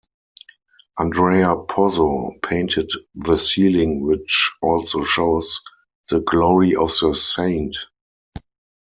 Andrea Pozzo painted the ceiling which also shows the "Glory of the Saint".